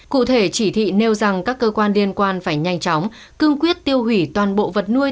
cụ thể chỉ thị nêu rằng các cơ quan liên quan phải nhanh chóng cương quyết tiêu hủy toàn bộ vật nuôi